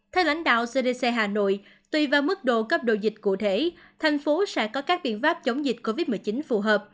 theo lãnh đạo cdc hà nội tùy vào mức độ cấp độ dịch cụ thể thành phố sẽ có các biện pháp chống dịch covid một mươi chín phù hợp